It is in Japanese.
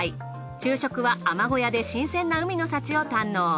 昼食は海女小屋で新鮮な海の幸を堪能。